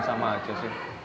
ya sama aja sih